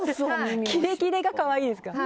キレキレが可愛いんですか。